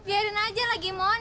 biarin aja lah gimon